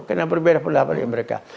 karena berbeda pendapat dari mereka